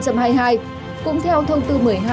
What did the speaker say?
cũng theo thông tư một mươi hai